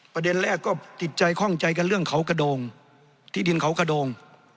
ประเด็นแรกก็ติดใจข้องใจกันเรื่องเขากระโดงที่ดินเขากระโดง